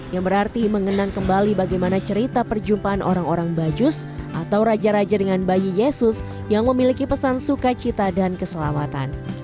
yang berarti mengenang kembali bagaimana cerita perjumpaan orang orang bajus atau raja raja dengan bayi yesus yang memiliki pesan sukacita dan keselamatan